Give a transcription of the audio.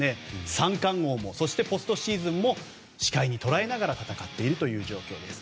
三冠王もそしてポストシーズンも視界に捉えながら戦っているという状況です。